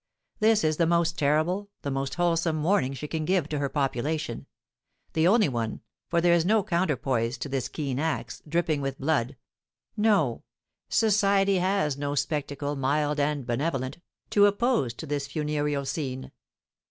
This is the most terrible, the most wholesome warning she can give to her population, the only one, for there is no counterpoise to this keen axe, dripping with blood; no, society has no spectacle, mild and benevolent, to oppose to this funereal scene.